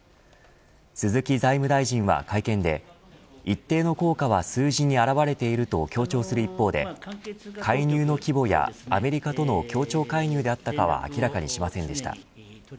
鈴木財務大臣は会見で一定の効果は数字に表れていると強調する一方で介入の規模やアメリカとの協調介入であったかは明らかにしませんでした。